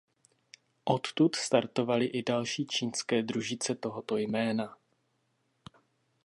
Odtud startovaly i další čínské družice tohoto jména.